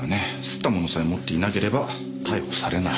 掏ったものさえ持っていなければ逮捕されない。